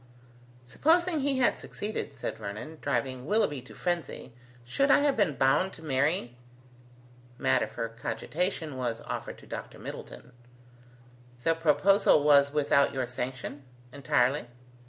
"Supposing he had succeeded," said Vernon, driving Willoughby to frenzy, "should I have been bound to marry?" Matter for cogitation was offered to Dr. Middleton. "The proposal was without your sanction?" "Entirely."